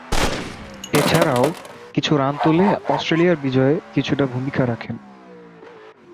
এছাড়াও, কিছু রান তুলে অস্ট্রেলিয়ার বিজয়ে কিছুটা ভূমিকা রাখেন।